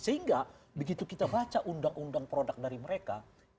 sehingga begitu kita baca undang undang produk dari mereka